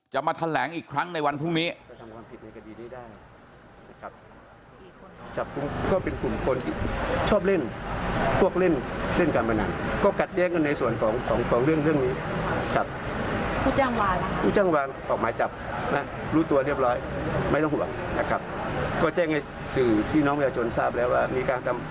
จะมาแถลงอีกครั้งในวันพรุ่งนี้